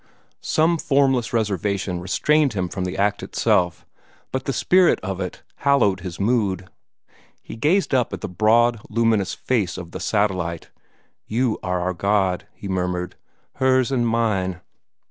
Some formless resignation restrained him from the act itself, but the spirit of it hallowed his mood. He gazed up at the broad luminous face of the satellite. "You are our God," he murmured. "Hers and mine!